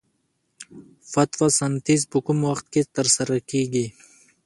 فتوسنتیز په کوم وخت کې ترسره کیږي